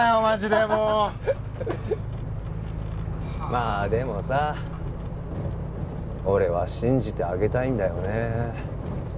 マジでもうまあでもさ俺は信じてあげたいんだよね